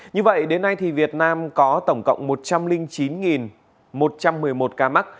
như vậy đến nay thì việt nam có tổng cộng một trăm linh chín một trăm một mươi một ca mắc